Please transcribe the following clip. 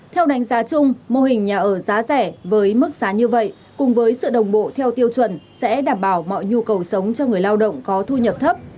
theo đánh giá chung mô hình nhà ở giá rẻ với mức giá như vậy cùng với sự đồng bộ theo tiêu chuẩn sẽ đảm bảo mọi nhu cầu sống cho người lao động có thu nhập thấp